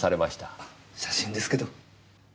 写真ですけど。